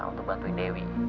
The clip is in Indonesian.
untuk bantuin dewi